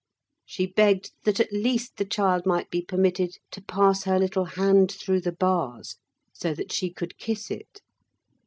She begged that, at least, the child might be permitted to pass her little hand through the bars so that she could kiss it.